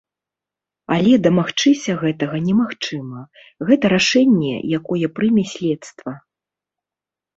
Але дамагчыся гэтага немагчыма, гэта рашэнне, якое прыме следства.